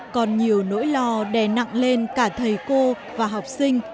còn nhiều nỗi lo đè nặng lên cả thầy cô và học sinh